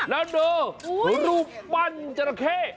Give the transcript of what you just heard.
แล้วนึงรูปปั้นจริง